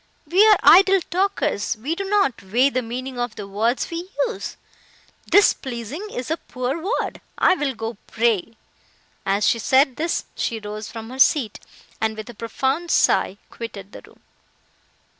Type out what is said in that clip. —"We are idle talkers; we do not weigh the meaning of the words we use; displeasing is a poor word. I will go pray." As she said this she rose from her seat, and with a profound sigh quitted the room.